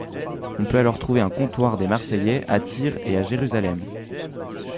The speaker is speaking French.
On peut alors trouver un comptoir des Marseillais à Tyr et à Jérusalem.